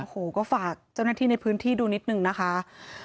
โอ้โหก็ฝากเจ้าหน้าที่ในพื้นที่ดูนิดนึงนะคะ